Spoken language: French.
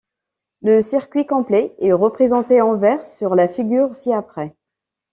Le circuit complet est représenté en vert sur la figure ci-après.